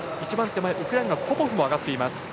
ウクライナのポポフも上がっています。